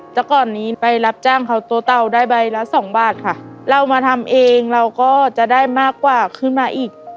แต่ก่อนนี้ไปรับจ้างเขาตัวเตาได้ใบละสองบาทค่ะเรามาทำเองเราก็จะได้มากกว่าขึ้นมาอีก